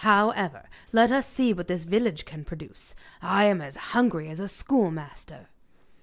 However, let us see what this village can produce. I am as hungry as a schoolmaster.